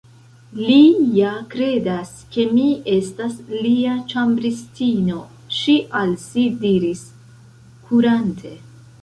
"Li ja kredas ke mi estas lia ĉambristino," ŝi al si diris, kurante.